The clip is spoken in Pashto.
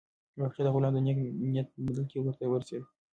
باغچه د غلام د نېک نیت په بدل کې ورته ورسېده.